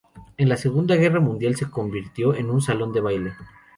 En la Segunda Guerra Mundial se convirtió en un salón de baile.